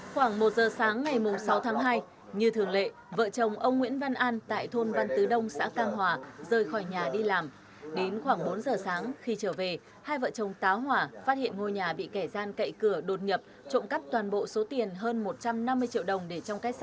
khoảng một giờ sáng ngày sáu tháng hai như thường lệ